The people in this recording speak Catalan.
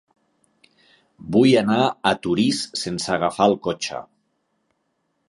Vull anar a Torís sense agafar el cotxe.